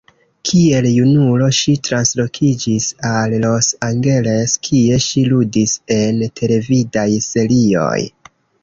Kiel junulo, ŝi translokiĝis al Los Angeles, kie ŝi ludis en televidaj serioj.